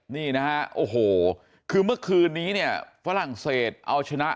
นี่นะฮะโอ้โหคือเมื่อคืนนี้เนี่ยฝรั่งเศสเอาชนะ